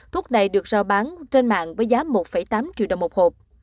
thuốc này được giao bán trên mạng với giá một tám triệu đồng một hộp